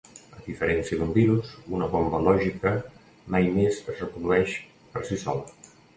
A diferència d'un virus, una bomba lògica mai més es reprodueix per si sola.